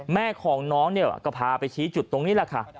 แม่ของน้องเนี่ยก็พาไปชี้จุดตรงนี้แหละค่ะ